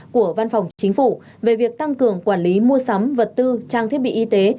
của văn phòng chính phủ về việc tăng cường quản lý mua sắm vật tư trang thiết bị y tế